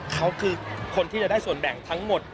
เขาคือคนที่จะได้ส่วนแบ่งทั้งหมด